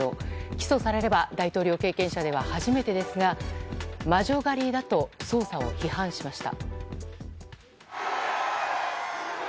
起訴されれば大統領経験者では初めてですが魔女狩りだと操作を批判しました。